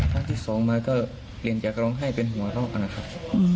ท่านที่สองมาก็เรียนจากร้องไห้เป็นหัวรอกนะครับ